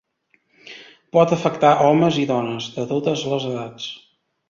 Pot afectar homes i dones de totes les edats.